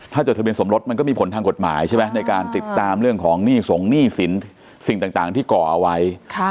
ถ้าจดทะเบียนสมรสมันก็มีผลทางกฎหมายใช่ไหมในการติดตามเรื่องของหนี้ส่งหนี้สินสิ่งต่างที่ก่อเอาไว้